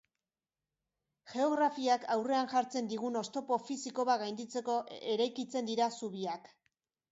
Geografiak aurrean jartzen digun oztopo fisiko bat gainditzeko eraikitzen dira zubiak.